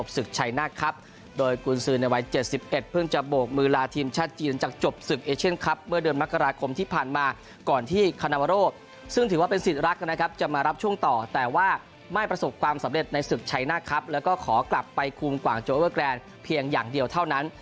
สิทธิ์ลักษณ์นะครับจะมารับช่วงต่อแต่ว่าไม่ประสบความสำเร็จในศึกชัยหน้าครับแล้วก็ขอกลับไปคุมกว่างโจเวอร์แกรนเพียงอย่างเดียวเท่านั้น